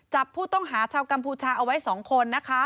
จับผู้ต้องหาชาวกัมพูชาเอาไว้๒คนนะคะ